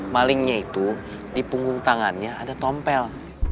malingnya itu di punggung tangannya ada tompel